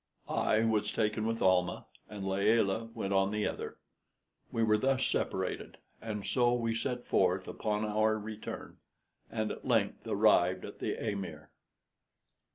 I was taken with Almah, and Layelah went on the other. We were thus separated; and so we set forth upon our return, and at length arrived at the amir.